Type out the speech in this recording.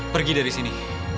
pergi dari sini